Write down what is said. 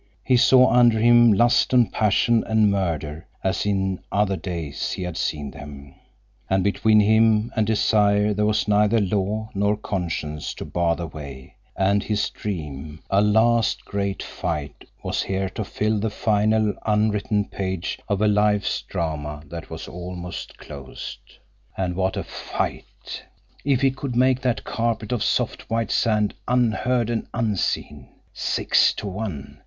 He saw under him lust and passion and murder, as in other days he had seen them, and between him and desire there was neither law nor conscience to bar the way, and his dream—a last great fight—was here to fill the final unwritten page of a life's drama that was almost closed. And what a fight, if he could make that carpet of soft, white sand unheard and unseen. Six to one!